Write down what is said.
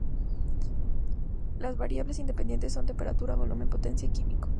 Las variables independientes son temperatura, volumen y potencial químico.